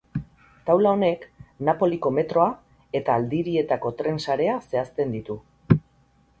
Taula honek Napoliko metroa eta aldirietako tren sarea zehazten ditu.